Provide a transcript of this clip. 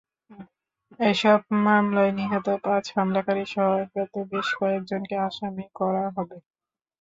এসব মামলায় নিহত পাঁচ হামলাকারীসহ অজ্ঞাত বেশ কয়েকজনকে আসামি করা হবে।